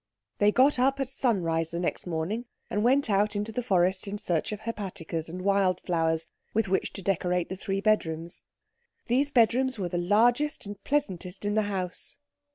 They got up at sunrise the next morning, and went out into the forest in search of hepaticas and windflowers with which to decorate the three bedrooms. These bedrooms were the largest and pleasantest in the house.